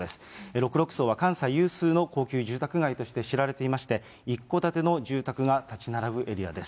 六麓荘は関西有数の高級住宅街として知られていまして、一戸建ての住宅が建ち並ぶエリアです。